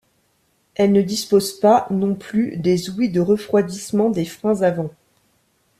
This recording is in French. Elle ne dispose pas, non plus, des ouïes de refroidissement des freins avant.